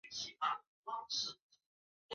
过滤且清洗氢氧化物以除去可溶的硝酸钾。